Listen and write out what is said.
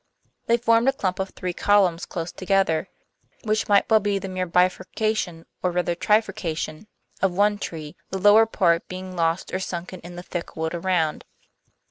They formed a clump of three columns close together, which might well be the mere bifurcation, or rather trifurcation, of one tree, the lower part being lost or sunken in the thick wood around.